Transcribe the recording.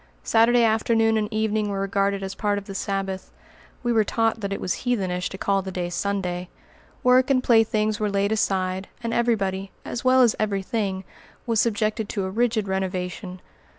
Saturday afternoon and evening were regarded as part of the Sabbath (we were taught that it was heathenish to call the day Sunday); work and playthings were laid aside, and every body, as well as every thing, was subjected to a rigid renovation.